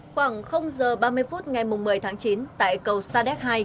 khoảng giờ ba mươi phút ngày một mươi tháng chín tại cầu sa đéc hai